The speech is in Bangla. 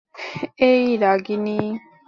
এই, রাগিনী!